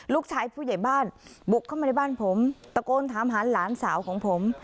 ผู้ใหญ่บ้านบุกเข้ามาในบ้านผมตะโกนถามหาหลานสาวของผม